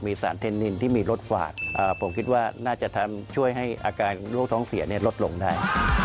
สารเทนนินที่มีรถฝาดผมคิดว่าน่าจะช่วยให้อาการโรคท้องเสียลดลงได้